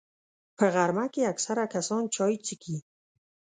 په غرمه کې اکثره کسان چای څښي